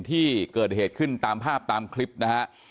ที่เกิดเหตุขึ้นตามภาพตามคลิปนะฮะ